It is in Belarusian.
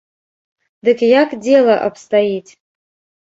Дык як дзела абстаіць?